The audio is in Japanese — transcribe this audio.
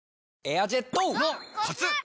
エアジェットォ！のコツ！